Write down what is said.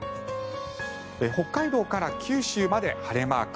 北海道から九州まで晴れマーク。